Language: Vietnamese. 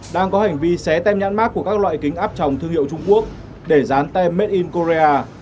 đang có hành vi xé tem nhãn mát của các loại kính áp tròng thương hiệu trung quốc để dán tem made in corea